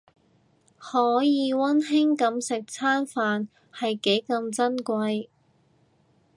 可以溫馨噉食餐飯係幾咁珍貴